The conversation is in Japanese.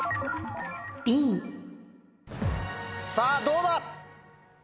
さぁどうだ？